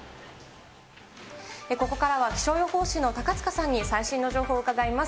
ここからは気象予報士の高塚さんに最新の情報を伺います。